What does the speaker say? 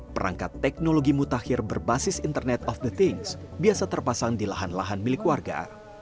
perangkat teknologi mutakhir berbasis internet of the things biasa terpasang di lahan lahan milik warga